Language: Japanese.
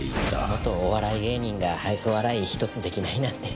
元お笑い芸人が愛想笑い一つできないなんて。